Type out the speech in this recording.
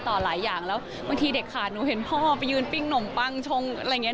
หลายอย่างแล้วบางทีเด็กขาดหนูเห็นพ่อไปยืนปิ้งหนมปังชงอะไรอย่างนี้